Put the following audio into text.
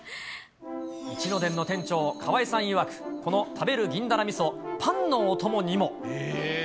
一の傳の店長、川合さんいわく、この食べる銀だら味噌、パンのお供にも。